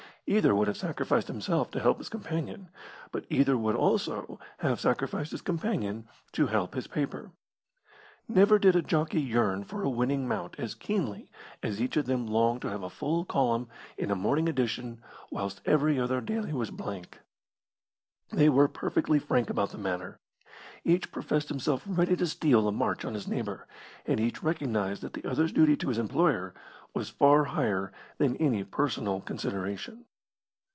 Either would have sacrificed himself to help his companion, but either would also have sacrificed his companion to help his paper. Never did a jockey yearn for a winning mount as keenly as each of them longed to have a full column in a morning edition whilst every other daily was blank. They were perfectly frank about the matter. Each professed himself ready to steal a march on his neighbour, and each recognised that the other's duty to his employer was far higher than any personal consideration.